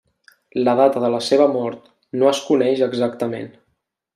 La data de la seva mort no es coneix exactament.